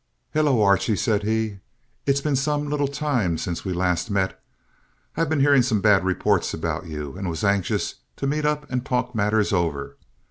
"Hello, Archie," said he; "it's been some little time since last we met. I've been hearing some bad reports about you, and was anxious to meet up and talk matters over.